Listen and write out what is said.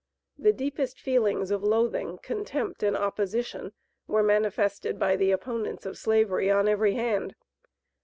The deepest feelings of loathing, contempt and opposition were manifested by the opponents of Slavery on every hand.